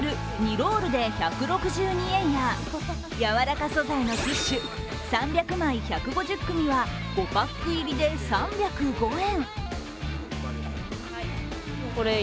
ロールで１６２円や柔らか素材のティッシュ３００枚１５０組は５パック入りで３０５円。